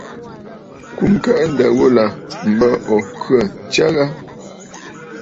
Kùm kɛʼɛ̂ ǹdə̀ ghulà m̀bə ò khə̂ ǹtsya ghâ?